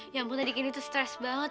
yang pun tadi kini tuh stres banget